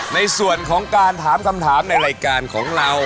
ในส่วนของการถามคำถามในรายการของเรา